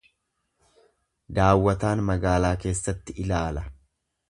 Daawwataan magaalaa keessa ilaala.